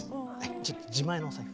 ちょっと自前のお財布。